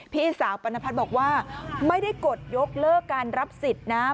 พี่สาวปรณพัฒน์บอกว่าไม่ได้กดยกเลิกการรับสิทธิ์นะ